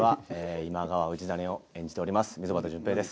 今川氏真を演じております